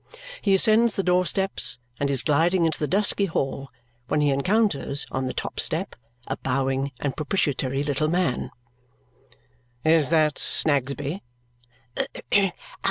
He ascends the door steps and is gliding into the dusky hall when he encounters, on the top step, a bowing and propitiatory little man. "Is that Snagsby?"